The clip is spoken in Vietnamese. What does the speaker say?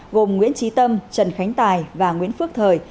gồm nguyễn trí tâm trần khánh tài và nguyễn phước thời